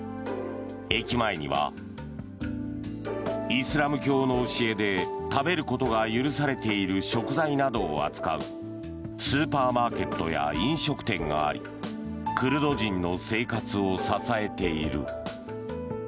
駅前にはイスラム教の教えで食べることが許されている食材などを扱うスーパーマーケットや飲食店がありクルド人の生活を支えている。